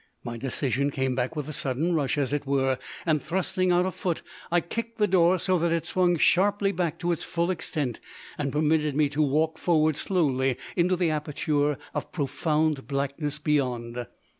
My decision came back with a sudden rush, as it were, and thrusting out a foot, I kicked the door so that it swung sharply back to its full extent, and permitted me to walk forward slowly into the aperture of profound blackness beyond.